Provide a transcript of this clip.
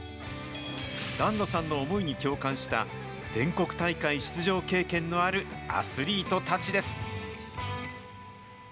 檀野さんの思いに共感した全国大会出場経験のあるアスリートたちです。